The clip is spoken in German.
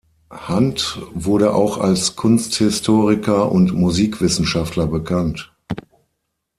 Hand wurde auch als Kunsthistoriker und Musikwissenschaftler bekannt.